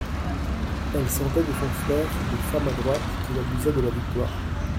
Elle sentait, de son flair de femme adroite, qu'il abusait de la victoire.